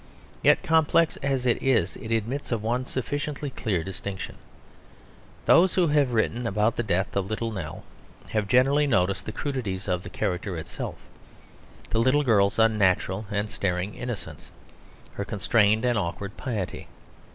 Yet complex as it is it admits of one sufficiently clear distinction. Those who have written about the death of Little Nell, have generally noticed the crudities of the character itself; the little girl's unnatural and staring innocence, her constrained and awkward piety.